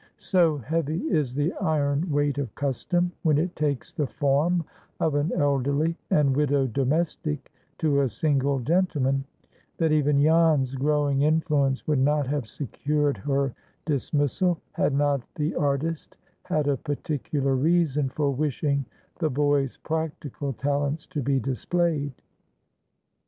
So heavy is the iron weight of custom—when it takes the form of an elderly and widowed domestic to a single gentleman—that even Jan's growing influence would not have secured her dismissal, had not the artist had a particular reason for wishing the boy's practical talents to be displayed.